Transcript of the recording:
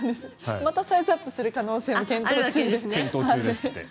またサイズアップする可能性も検討中ですって。